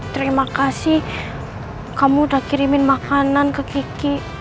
terima kasih kamu udah kirimin makanan ke kiki